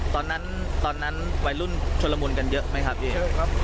ตอนนั้นตอนนั้นวัยรุ่นชนละมุนกันเยอะไหมครับพี่